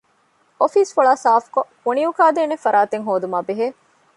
އޮފީސް ފޮޅާ ސާފުކޮށް ކުނިއުކާދޭނެ ފަރާތެއް ހޯދުމާބެހޭ